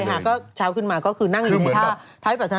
ใช่ก็เช้าขึ้นมาก็คือนั่งอยู่ในท่าวิปัสนา